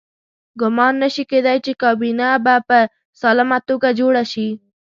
ګمان نه شي کېدای چې کابینه به په سالمه توګه جوړه شي.